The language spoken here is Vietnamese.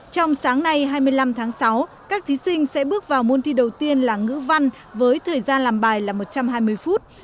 trong sáng nay hai mươi năm tháng sáu các thí sinh sẽ bước vào môn thi đầu tiên là ngữ văn với thời gian làm bài là một trăm hai mươi phút